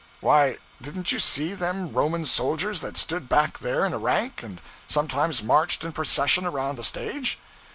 'Why didn't you see them Roman soldiers that stood back there in a rank, and sometimes marched in procession around the stage?'